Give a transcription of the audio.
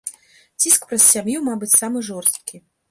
Ціск праз сям'ю, мабыць, самы жорсткі.